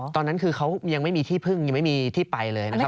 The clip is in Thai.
ตอนนั้นคือเขายังไม่มีที่พึ่งยังไม่มีที่ไปเลยนะครับ